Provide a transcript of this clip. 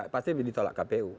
pasti ditolak kpu